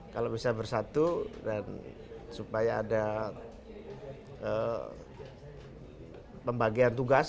kalau bisa bersatu dan supaya ada pembagian tugas